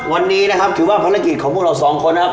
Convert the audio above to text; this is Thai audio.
วันนี้นะครับถือว่าภารกิจของพวกเราสองคนนะครับ